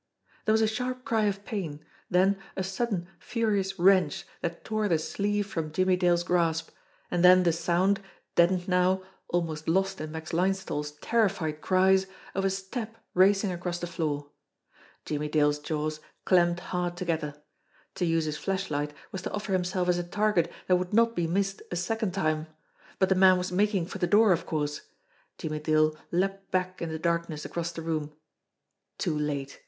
There was a sharp cry of pain; then a sudden, furious wrench that tore the sleeve from Jimmie Dale's grasp and then the sound, deadened now, almost lost in Max Linesthal's terrified cries, of a step racing across the floor. Jimmie Dale's jaws clamped hard together. To use his flashlight was to offer himself as a target that would not be missed a second time. But the man was making for the door, of course. Jimmie Dale leaped back in the darkness across the room too late!